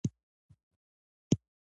مشهور مفسرین او علما همغږي دي.